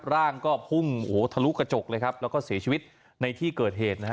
ร่างก็พุ่งโอ้โหทะลุกระจกเลยครับแล้วก็เสียชีวิตในที่เกิดเหตุนะฮะ